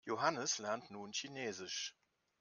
Johannes lernt nun Chinesisch.